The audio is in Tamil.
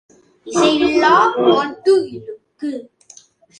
இசைவில்லாப் பாட்டு இழுக்கு.